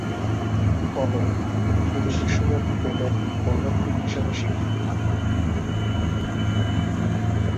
ফলে, তিনি বিশ্বব্যাপী পেলে’র গোলরক্ষক হিসেবে স্বীকৃতি পান।